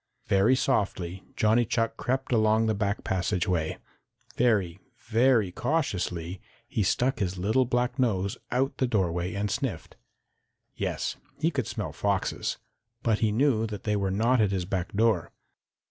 Very softly Johnny Chuck crept along the back passageway. Very, very cautiously he stuck his little black nose out the doorway and sniffed. Yes, he could smell foxes, but he knew that they were not at his back door.